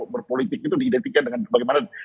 berpolitik itu diidentikan dengan bagaimana